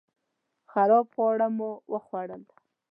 خراب خواړه مو وخوړل